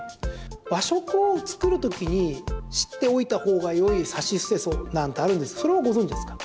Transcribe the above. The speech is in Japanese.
和食を作る時に知っておいたほうがいいさしすせそ、なんてあるんですがそれはご存じですか？